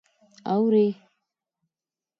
_اورې؟